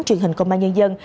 truyền hình công an nhân dân